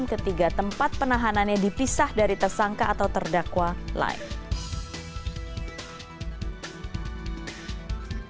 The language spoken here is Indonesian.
ketiga tempat penahanannya dipisah dari tersangka atau terdakwa live